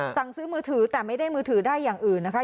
สั่งซื้อมือถือแต่ไม่ได้มือถือได้อย่างอื่นนะคะ